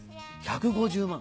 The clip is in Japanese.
１５０万。